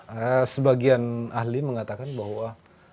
ya sebagian ahli mengatakan bahwa